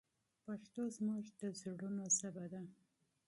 پښتو زموږ د زړونو ژبه ده.